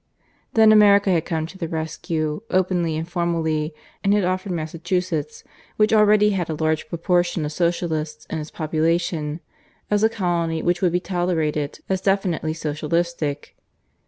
Then America had come to the rescue, openly and formally, and had offered Massachusetts, which already had a large proportion of Socialists in its population, as a colony which would be tolerated as definitely socialistic.